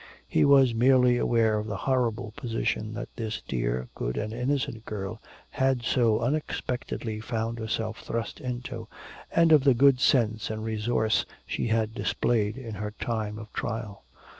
He was merely aware of the horrible position that this dear, good and innocent girl had so unexpectedly found herself thrust into, and of the good sense and resource she had displayed in her time of trial.